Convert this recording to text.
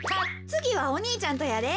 つぎはお兄ちゃんとやで。